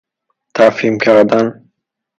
تفهیم کردن